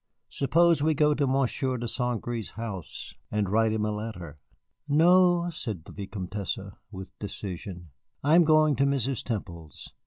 "Suppose we go to Monsieur de St. Gré's house and write him a letter?" "No," said the Vicomtesse, with decision, "I am going to Mrs. Temple's.